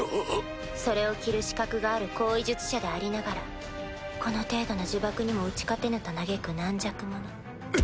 それを着る資格がある高位術者でありながらこの程度の呪縛にも打ち勝てぬと嘆く軟弱者。